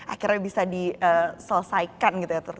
akhirnya bisa diselesaikan gitu ya